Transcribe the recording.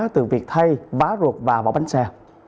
từ việc thay bá ruột và vào bánh xe